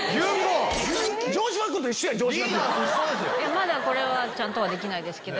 まだこれはちゃんとはできないですけど。